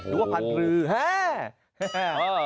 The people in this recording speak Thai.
ดูว่าพันธุ์หรือแฮ่